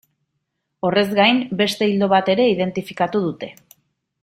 Horrez gain, beste ildo bat ere identifikatu dute.